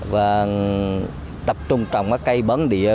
và tập trung trồng cây bấn địa